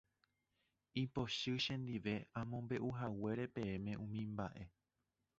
Ipochy chendive amombe'uhaguére peẽme umi mba'e.